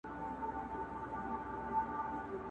له پاچا او له رعیته څخه ورک سو!!